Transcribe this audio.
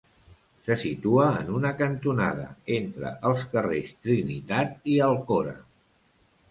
Se situa en una cantonada, entre els carrers Trinitat i Alcora.